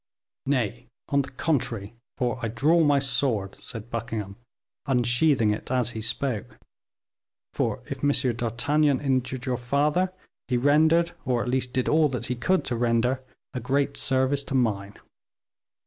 "Nay, on the contrary, for I draw my sword," said Buckingham, unsheathing it as he spoke; "for if M. d'Artagnan injured your father, he rendered, or at least did all that he could to render, a great service to mine."